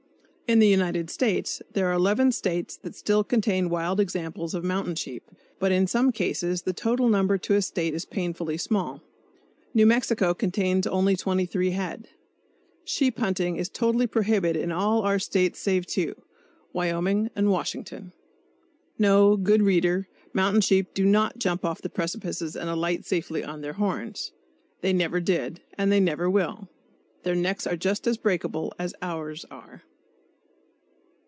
In the United States there are eleven States that still contain wild examples of mountain sheep, but in some cases the total number to a State is painfully small. New Mexico contains only 23 head. Sheep hunting is totally prohibited in all our States save two, Wyoming and Washington. No, good reader, mountain sheep do not "jump off precipices and alight safely on their horns." They never did; and they never will. Their necks are just as breakable as ours are.